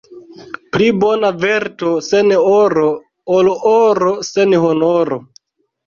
Pli bona virto sen oro, ol oro sen honoro.